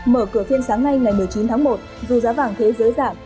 mở cửa phiên sáng nay ngày một mươi chín tháng một dù giá vàng thế giới giảm